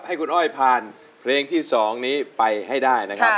ให้คุณอ้อยผ่านเพลงที่๒นี้ไปให้ได้นะครับ